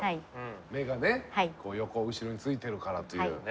目がね横後ろについてるからというね。